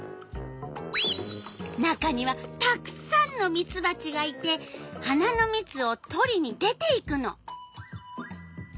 中にはたくさんのミツバチがいて花のみつをとりに出ていくの。